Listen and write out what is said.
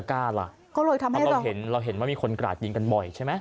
ก็เลยทำให้เราเห็นว่ามีคนกลาดยิงกันบ่อยใช่ไหม